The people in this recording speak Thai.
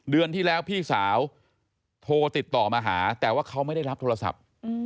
เดือนที่แล้วพี่สาวโทรติดต่อมาหาแต่ว่าเขาไม่ได้รับโทรศัพท์